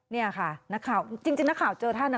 นี่ค่ะนักข่าวจริงนักข่าวเจอท่านนะ